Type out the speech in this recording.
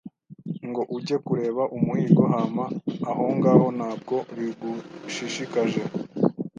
ngo ujye kureba umuhigo hama ahongaho ntabwo bigushishikaje